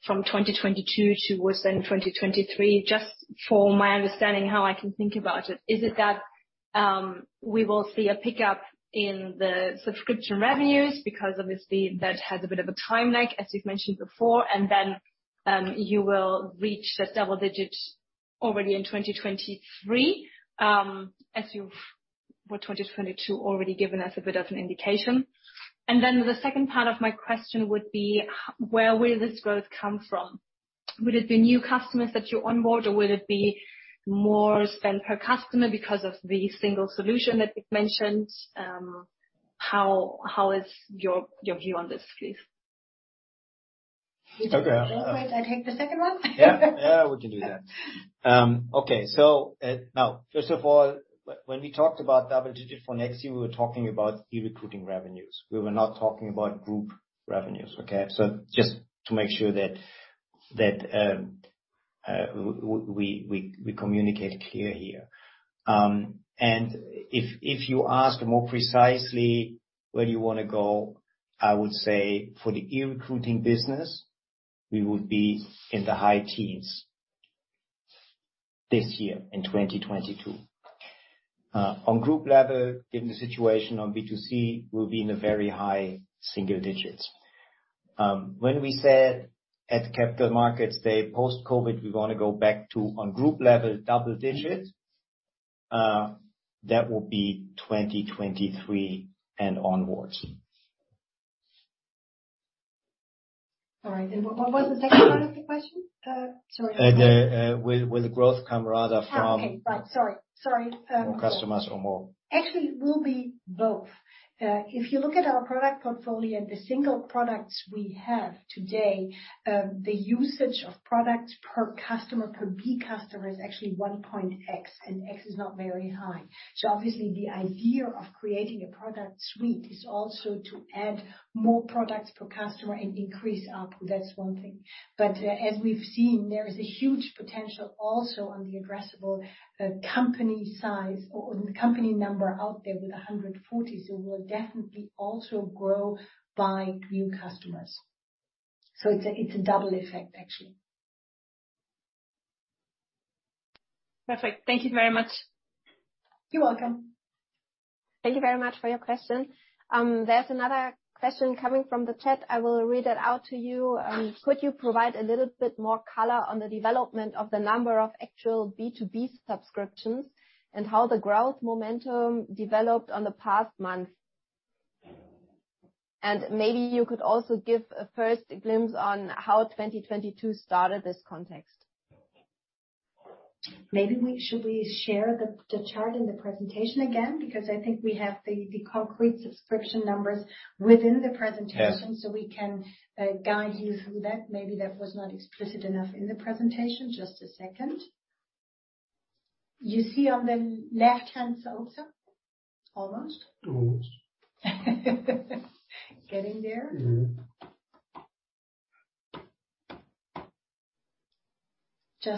Speaker 5: from 2022 to what's in 2023, just for my understanding, how I can think about it. Is it that we will see a pickup in the subscription revenues because obviously that has a bit of a time lag, as you've mentioned before, and then you will reach the double digits already in 2023, as you have already given us a bit of an indication for 2022. The second part of my question would be where will this growth come from. Will it be new customers that you onboard, or will it be more spend per customer because of the single solution that you've mentioned. What is your view on this, please?
Speaker 3: Okay, I
Speaker 2: You take that. I take the second one?
Speaker 3: Yeah. Yeah, we can do that. Now first of all, when we talked about double digit for next year, we were talking about E-Recruiting revenues. We were not talking about group revenues. Okay? Just to make sure that we communicate clear here. If you ask more precisely where you wanna go, I would say for the E-Recruiting business, we would be in the high teens this year in 2022. On group level, given the situation on B2C, we'll be in the very high single digits. When we said at Capital Markets Day post-COVID, we wanna go back to on group level double digits, that will be 2023 and onwards.
Speaker 2: All right. What was the second part of the question? Sorry about that.
Speaker 3: Will the growth come rather from-
Speaker 2: Okay. Right. Sorry.
Speaker 3: More customers or more?
Speaker 2: Actually, it will be both. If you look at our product portfolio and the single products we have today, the usage of products per customer, per B2B customer is actually one point X, and X is not very high. So obviously the idea of creating a product suite is also to add more products per customer and increase ARPU. That's one thing. As we've seen, there is a huge potential also on the addressable company size or the company number out there with 140. We'll definitely also grow by new customers. It's a double effect actually.
Speaker 5: Perfect. Thank you very much.
Speaker 2: You're welcome.
Speaker 1: Thank you very much for your question. There's another question coming from the chat. I will read it out to you. Could you provide a little bit more color on the development of the number of actual B2B subscriptions and how the growth momentum developed in the past month? Maybe you could also give a first glimpse into how 2022 started in this context.
Speaker 2: Maybe we should share the chart in the presentation again? Because I think we have the concrete subscription numbers within the presentation.
Speaker 3: Yes.
Speaker 2: We can guide you through that. Maybe that was not explicit enough in the presentation. Just a second. You see on the left-hand side also? Almost.
Speaker 3: Almost.
Speaker 2: Getting there.
Speaker 3: Mm-hmm.
Speaker 2: Just a second. Here. You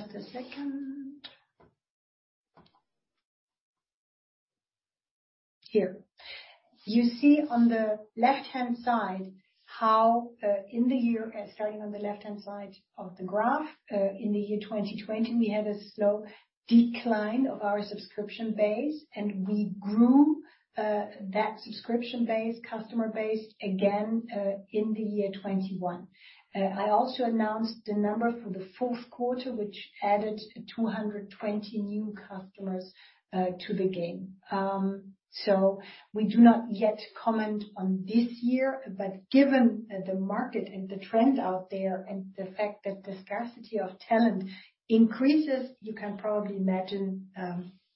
Speaker 2: see on the left-hand side how, starting on the left-hand side of the graph, in the year 2020, we had a slow decline of our subscription base, and we grew that subscription base, customer base again, in the year 2021. I also announced the number for the fourth quarter, which added 220 new customers to the base. We do not yet comment on this year, but given the market and the trend out there and the fact that the scarcity of talent increases, you can probably imagine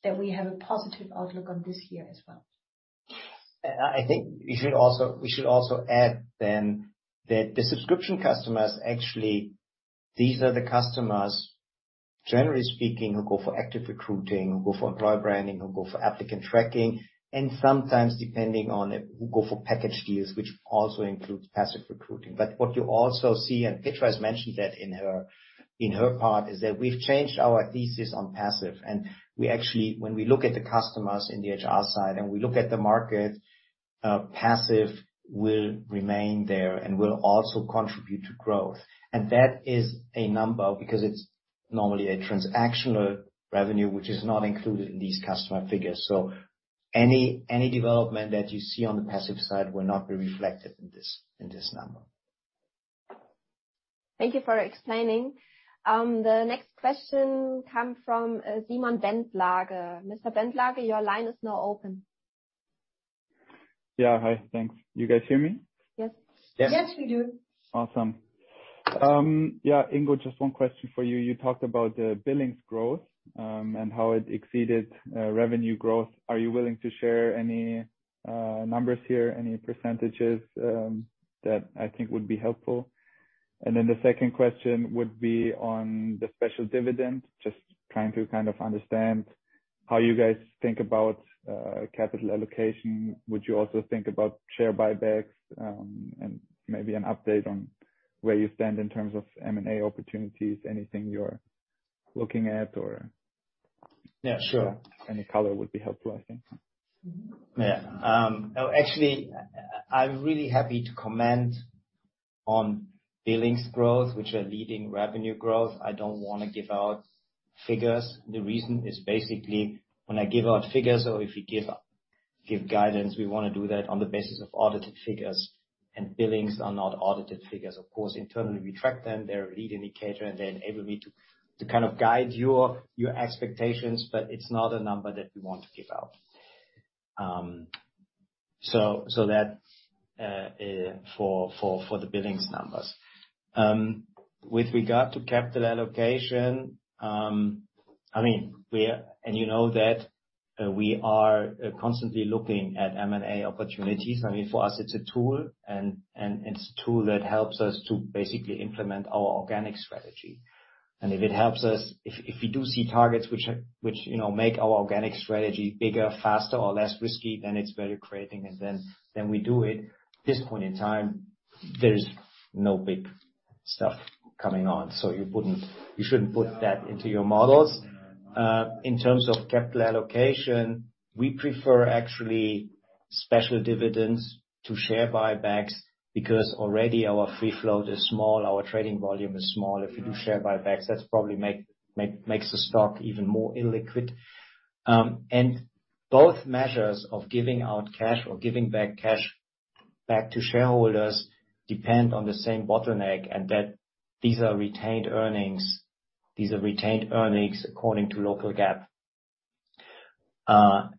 Speaker 2: that we have a positive outlook on this year as well.
Speaker 3: I think we should also add then that the subscription customers, actually, these are the customers, generally speaking, who go for active recruiting, who go for employer branding, who go for applicant tracking, and sometimes, depending on it, who go for package deals, which also includes passive recruiting. What you also see, and Petra has mentioned that in her part, is that we've changed our thesis on passive. We actually when we look at the customers in the HR side and we look at the market, passive will remain there and will also contribute to growth. That is a number because it's normally a transactional revenue, which is not included in these customer figures. Any development that you see on the passive side will not be reflected in this number.
Speaker 1: Thank you for explaining. The next question comes from Simon Bentlage. Mr. Bentlage, your line is now open.
Speaker 6: Yeah. Hi. Thanks. You guys hear me?
Speaker 1: Yes.
Speaker 3: Yes.
Speaker 1: Yes, we do.
Speaker 6: Awesome. Yeah, Ingo, just one question for you. You talked about the billings growth, and how it exceeded revenue growth. Are you willing to share any numbers here, any percentages that I think would be helpful? The second question would be on the special dividend, just trying to kind of understand how you guys think about capital allocation. Would you also think about share buybacks, and maybe an update on where you stand in terms of M&A opportunities, anything you're looking at or-
Speaker 3: Yeah, sure.
Speaker 6: Any color would be helpful, I think.
Speaker 3: Yeah. Actually, I'm really happy to comment on billings growth, which are leading revenue growth. I don't wanna give out figures. The reason is basically when I give out figures or if we give guidance, we wanna do that on the basis of audited figures, and billings are not audited figures. Of course, internally, we track them. They're a lead indicator, and they enable me to kind of guide your expectations, but it's not a number that we want to give out. So that's for the billings numbers. With regard to capital allocation, I mean, we are, and you know that, we are constantly looking at M&A opportunities. I mean, for us, it's a tool and it's a tool that helps us to basically implement our organic strategy. If it helps us, if we do see targets which, you know, make our organic strategy bigger, faster or less risky, then it's worth acquiring, and then we do it. At this point in time, there's no big stuff coming on, so you shouldn't put that into your models. In terms of capital allocation, we prefer actually special dividends to share buybacks because already our free float is small, our trading volume is small. If we do share buybacks, that probably makes the stock even more illiquid. Both measures of giving out cash or giving back cash to shareholders depend on the same bottleneck and that these are retained earnings. These are retained earnings according to local GAAP. I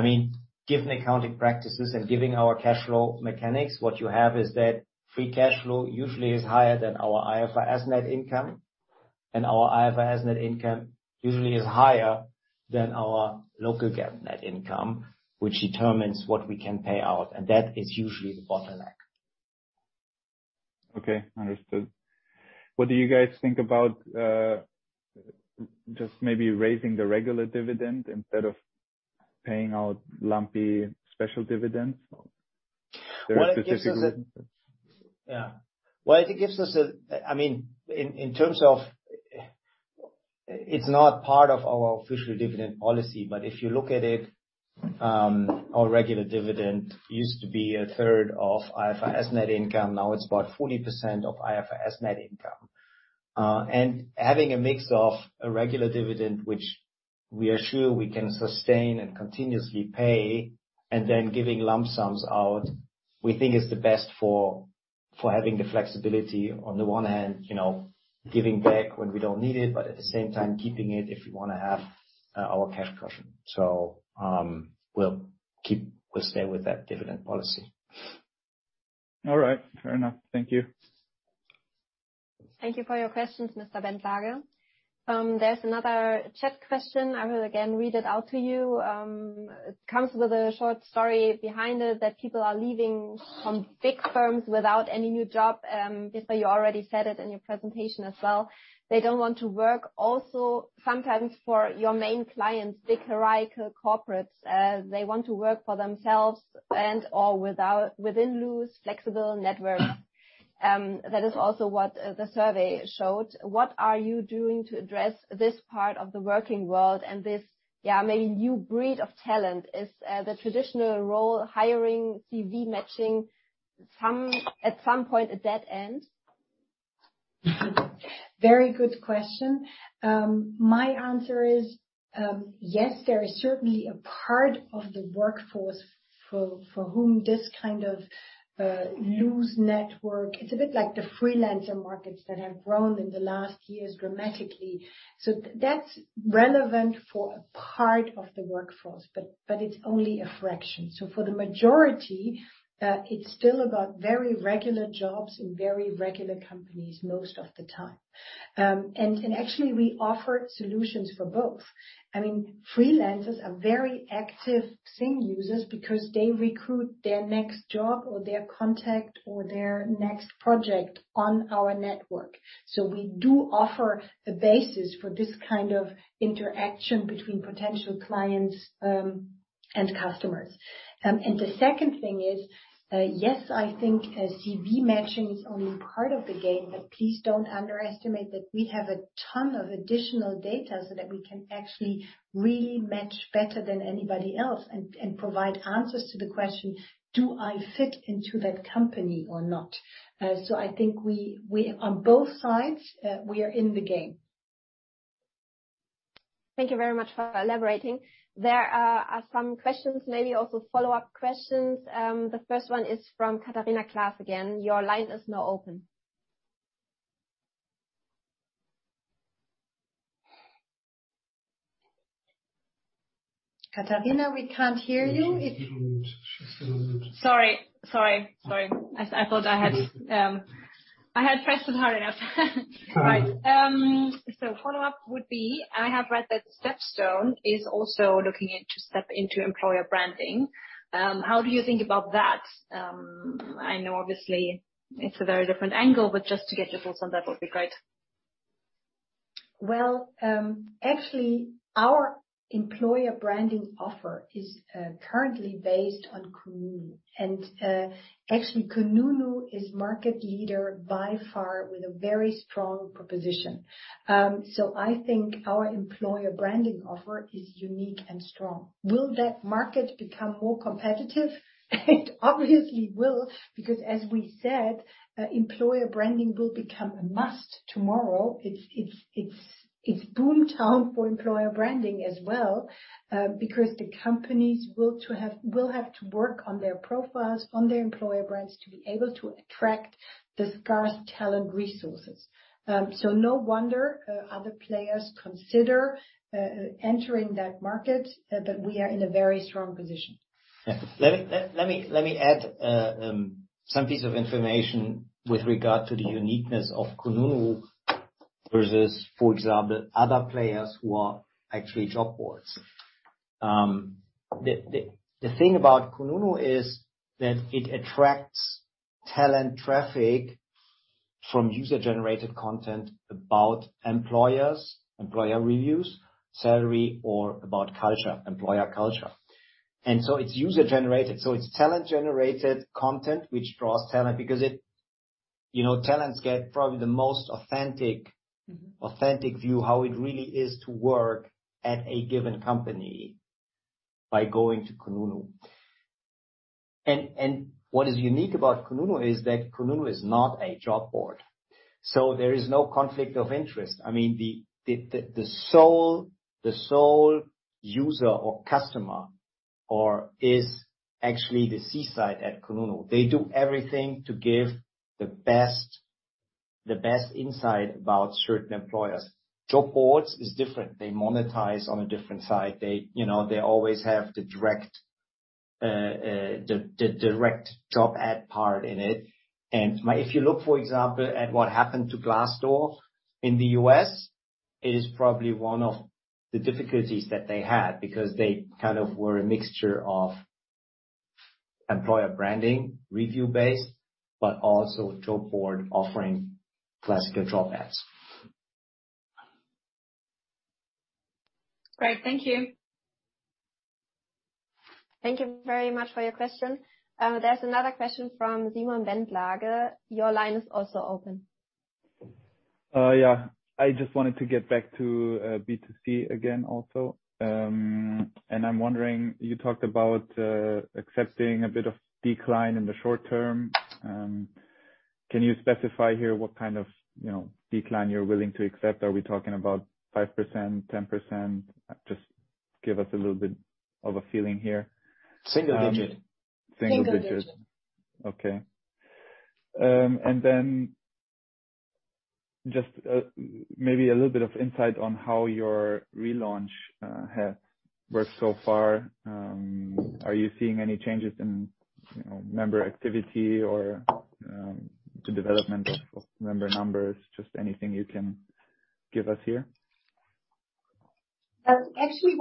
Speaker 3: mean, given accounting practices and giving our cash flow mechanics, what you have is that free cash flow usually is higher than our IFRS net income, and our IFRS net income usually is higher than our local GAAP net income, which determines what we can pay out, and that is usually the bottleneck.
Speaker 6: Okay. Understood. What do you guys think about just maybe raising the regular dividend instead of paying out lumpy special dividends or-
Speaker 3: Well, it gives us a.
Speaker 6: Is there a specific difference?
Speaker 3: Yeah. Well, I mean, in terms of, it's not part of our official dividend policy, but if you look at it, our regular dividend used to be a third of IFRS net income. Now it's about 40% of IFRS net income. Having a mix of a regular dividend, which we are sure we can sustain and continuously pay, and then giving lump sums out, we think is the best for having the flexibility on the one hand, you know, giving back when we don't need it, but at the same time, keeping it if we wanna have our cash cushion. We'll stay with that dividend policy.
Speaker 6: All right. Fair enough. Thank you.
Speaker 1: Thank you for your questions, Mr. Bentlage. There's another chat question. I will again read it out to you. It comes with a short story behind it that people are leaving some big firms without any new job. Petra, you already said it in your presentation as well. They don't want to work also sometimes for your main clients, big hierarchical corporates. They want to work for themselves and/or within loose, flexible networks. That is also what the survey showed. What are you doing to address this part of the working world and this, yeah, maybe new breed of talent? Is the traditional role hiring CV matching at some point a dead end?
Speaker 2: Very good question. My answer is, yes, there is certainly a part of the workforce for whom this kind of loose network, it's a bit like the freelancer markets that have grown in the last years dramatically. That's relevant for a part of the workforce, but it's only a fraction. For the majority, it's still about very regular jobs in very regular companies most of the time. Actually we offer solutions for both. I mean, freelancers are very active XING users because they recruit their next job or their contact or their next project on our network. We do offer a basis for this kind of interaction between potential clients and customers. The second thing is, yes, I think CV matching is only part of the game, but please don't underestimate that we have a ton of additional data so that we can actually really match better than anybody else and provide answers to the question, "Do I fit into that company or not?" I think on both sides we are in the game.
Speaker 1: Thank you very much for elaborating. There are some questions, maybe also follow-up questions. The first one is from Katarina Klaas again. Your line is now open.
Speaker 2: Katarina, we can't hear you.
Speaker 5: Sorry. I thought I had pressed it hard enough. Right. Follow-up would be, I have read that StepStone is also looking into stepping into employer branding. How do you think about that? I know obviously it's a very different angle, but just to get your thoughts on that would be great.
Speaker 2: Well, actually, our employer branding offer is currently based on Kununu. Actually, Kununu is market leader by far with a very strong proposition. I think our employer branding offer is unique and strong. Will that market become more competitive? It obviously will, because as we said, employer branding will become a must tomorrow. It's boom town for employer branding as well, because the companies will have to work on their profiles, on their employer brands to be able to attract the scarce talent resources. No wonder, other players consider entering that market, but we are in a very strong position.
Speaker 3: Let me add some piece of information with regard to the uniqueness of Kununu versus, for example, other players who are actually job boards. The thing about Kununu is that it attracts talent traffic from user-generated content about employers, employer reviews, salary, or about culture, employer culture. It's user-generated, so it's talent-generated content which draws talent because it you know, talents get probably the most authentic
Speaker 2: Mm-hmm.
Speaker 3: An authentic view how it really is to work at a given company by going to Kununu. What is unique about Kununu is that Kununu is not a job board, so there is no conflict of interest. I mean, the sole user or customer or is actually the C-side at Kununu. They do everything to give the best insight about certain employers. Job boards is different. They monetize on a different side. You know, they always have the direct job ad part in it. If you look, for example, at what happened to Glassdoor in the U.S., it is probably one of the difficulties that they had because they kind of were a mixture of employer branding, review-based, but also job board offering classical job ads.
Speaker 5: Great. Thank you.
Speaker 1: Thank you very much for your question. There's another question from Simon Bentlage. Your line is also open.
Speaker 6: Yeah. I just wanted to get back to B2C again also. I'm wondering, you talked about accepting a bit of decline in the short term. Can you specify here what kind of, you know, decline you're willing to accept? Are we talking about 5%, 10%? Just give us a little bit of a feeling here.
Speaker 3: Single digits.
Speaker 6: Single digits.
Speaker 2: Single digits.
Speaker 6: Okay. Just maybe a little bit of insight on how your relaunch has worked so far. Are you seeing any changes in, you know, member activity or, the development of member numbers? Just anything you can give us here.
Speaker 2: Actually,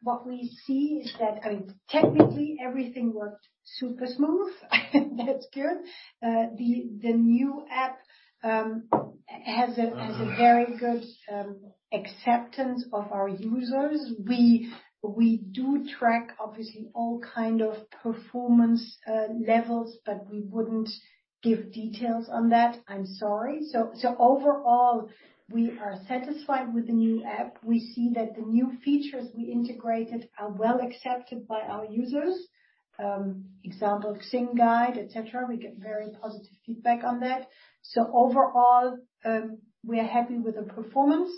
Speaker 2: what we see is that, I mean, technically everything worked super smooth. That's good. The new app has a very good acceptance of our users. We do track obviously all kind of performance levels, but we wouldn't give details on that, I'm sorry. Overall, we are satisfied with the new app. We see that the new features we integrated are well accepted by our users. Example XING Guide, et cetera, we get very positive feedback on that. Overall, we're happy with the performance,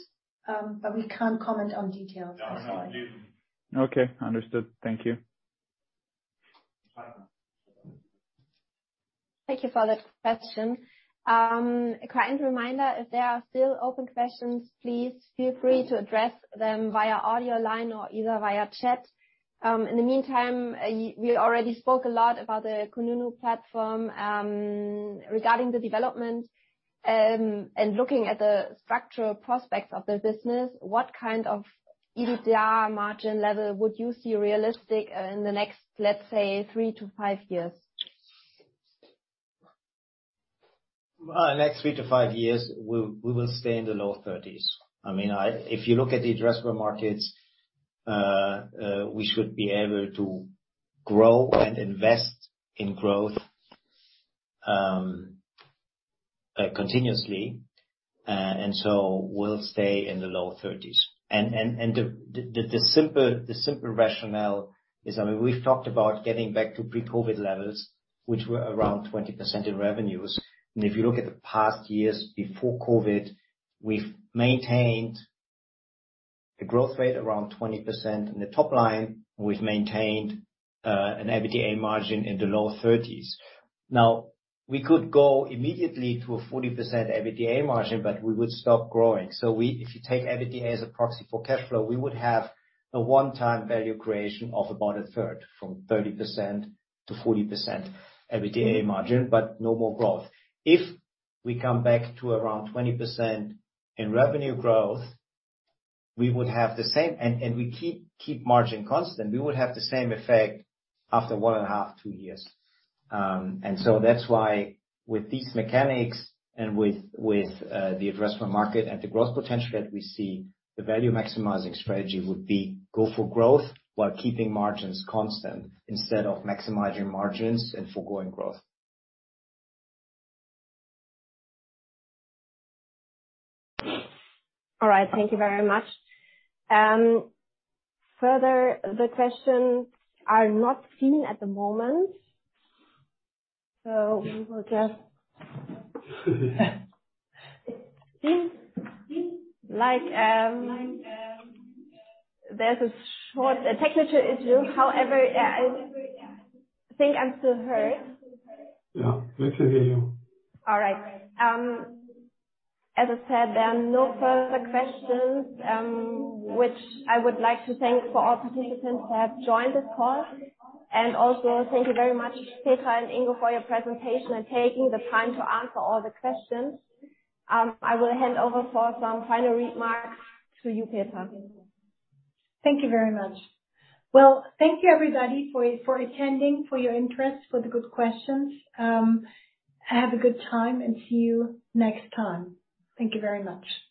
Speaker 2: but we can't comment on details. I'm sorry.
Speaker 3: No, no.
Speaker 6: Okay, understood. Thank you.
Speaker 1: Thank you for that question. A kind reminder, if there are still open questions, please feel free to address them via audio line or either via chat. In the meantime, we already spoke a lot about the Kununu platform. Regarding the development and looking at the structural prospects of the business, what kind of EBITDA margin level would you see realistic in the next, let's say, three to five years?
Speaker 3: Next three to five years, we will stay in the low 30s%. I mean, if you look at the addressable markets, we should be able to grow and invest in growth continuously. We'll stay in the low 30s%. The simple rationale is, I mean, we've talked about getting back to pre-COVID levels, which were around 20% in revenues. If you look at the past years before COVID, we've maintained the growth rate around 20% in the top line, and we've maintained an EBITDA margin in the low 30s%. Now, we could go immediately to a 40% EBITDA margin, but we would stop growing. If you take EBITDA as a proxy for cash flow, we would have a one-time value creation of about a third, from 30%-40% EBITDA margin, but no more growth. If we come back to around 20% in revenue growth, we would have the same. We keep margin constant, we would have the same effect after 1.5-2 years. That's why with these mechanics and with the addressable market and the growth potential that we see, the value maximizing strategy would be go for growth while keeping margins constant instead of maximizing margins and foregoing growth.
Speaker 1: All right. Thank you very much. Further, the questions are not seen at the moment. We will just see. Like, there's a short technical issue. However, I think I'm still heard.
Speaker 2: Yeah. We can hear you.
Speaker 1: All right. As I said, there are no further questions. I would like to thank all participants who have joined this call. Also thank you very much, Petra and Ingo, for your presentation and taking the time to answer all the questions. I will hand over for some final remarks to you, Petra and Ingo.
Speaker 2: Thank you very much. Well, thank you everybody for attending, for your interest, for the good questions. Have a good time and see you next time. Thank you very much.